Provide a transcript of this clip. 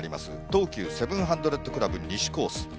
東急セブンハンドレッドクラブ西コース。